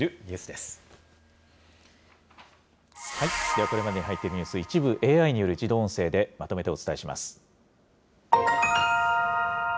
では、これまでに入っているニュース、一部、ＡＩによる自動音声で、まとめてお伝えします。